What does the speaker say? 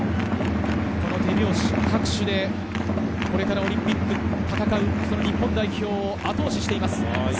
手拍子、拍手でこれからオリンピックを戦う日本代表を後押ししています。